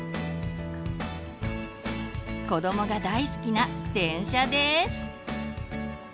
子どもが大好きな電車です。